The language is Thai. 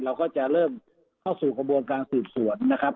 เราก็จะเริ่มเข้าสู่กระบวนการสืบสวนนะครับ